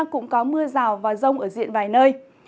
cũng có mưa rào và rông ở diện vài nơi